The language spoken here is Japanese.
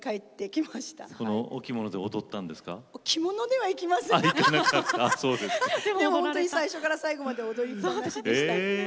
でもほんとに最初から最後まで踊りっぱなしでした。